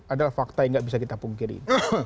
adalah fakta yang gak bisa kita pungkirin